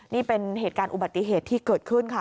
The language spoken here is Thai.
นี่เป็นเหตุการณ์อุบัติเหตุที่เกิดขึ้นค่ะ